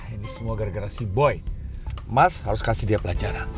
ini semua gara gara sea boy mas harus kasih dia pelajaran